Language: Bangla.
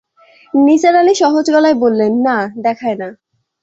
নিসার আলি সহজ গলায় বললেন, না, দেখায় না।